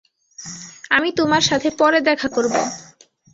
আমি তোমার সাথে পরে দেখা করব।